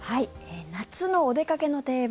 夏のお出かけの定番